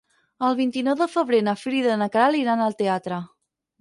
El vint-i-nou de febrer na Frida i na Queralt iran al teatre.